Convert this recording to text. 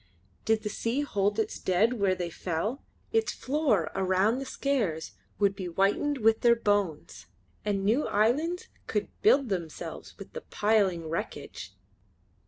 Did the sea hold its dead where they fell, its floor around the Skares would be whitened with their bones, and new islands could build themselves with the piling wreckage.